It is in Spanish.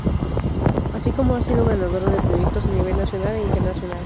Así como ha sido ganadora de proyectos a nivel nacional e internacional.